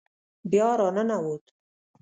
بیا را ننوت.